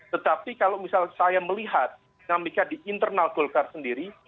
tetapi kalau misal saya melihat dinamika di internal golkar sendiri